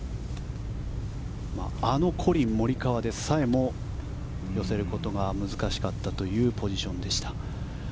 あのコリン・モリカワでさえも寄せることが難しかったというポジションでした。